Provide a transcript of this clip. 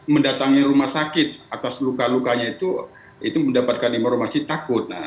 mendatangi rumah sakit atas luka lukanya itu mendapatkan informasi takut